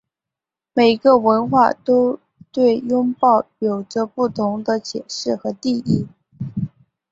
每个文化都对拥抱有着不同的解释和定义。